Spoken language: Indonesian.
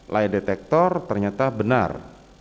laya detektor ternyata benar